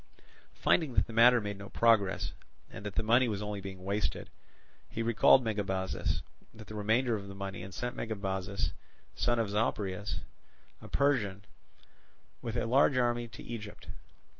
Finding that the matter made no progress, and that the money was only being wasted, he recalled Megabazus with the remainder of the money, and sent Megabuzus, son of Zopyrus, a Persian, with a large army to Egypt.